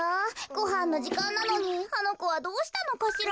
ごはんのじかんなのにあのこはどうしたのかしら？